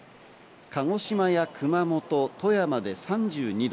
鹿児島や熊本、富山で３２度。